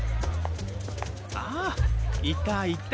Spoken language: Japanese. あいたいた。